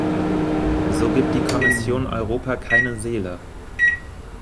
So gibt die Kommission Europa keine Seele!